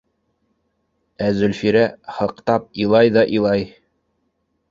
Ә Зөлфирә һыҡтап илай ҙа илай.